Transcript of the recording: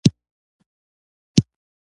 بوره د انرژۍ ښه سرچینه ده.